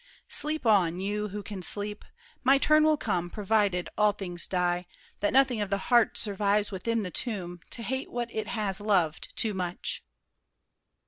Sleep on, you who can sleep. My turn will come—provided all things die, That nothing of the heart survives within The tomb, to hate what it has loved too much.